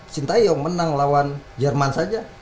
sintai yang menang lawan jerman saja